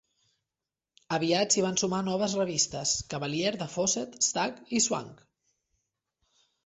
Aviat s'hi van sumar noves revistes: "Cavalier" de Fawcett, "Stag" i "Swank".